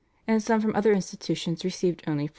and some from other institutions received only 4s.